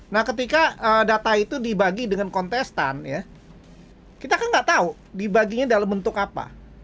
nah ketika data itu dibagi dengan kontestan ya kita kan nggak tahu dibaginya dalam bentuk apa